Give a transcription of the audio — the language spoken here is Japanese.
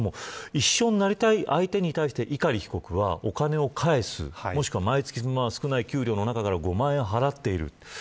一緒になりたい相手に対して碇被告はお金を返すもしくは毎月、少ない給与の中から５万円払っている。